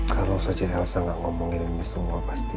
kalau soji rilsa gak ngomongin ini semua pasti